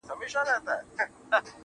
دوه زړونه په سترگو کي راگير سوله.